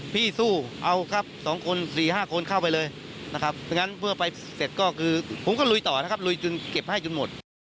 เพราะฉะนั้นเพื่อไปเสร็จก็คือผมก็ลุยต่อนะครับลุยจนเก็บให้จนหมด